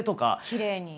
きれいに。